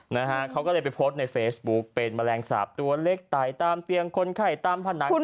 นะฮะเขาก็เลยไปโพสต์ในเฟซบุ๊กเป็นแมลงสาปตัวเล็กไต่ตามเตียงคนไข้ตามผนัง